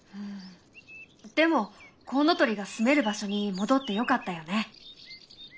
でもコウノトリがすめる場所に戻ってよかったよね。